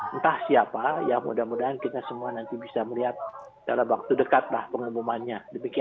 entah siapa ya mudah mudahan kita semua nanti bisa melihat dalam waktu dekat lah pengumumannya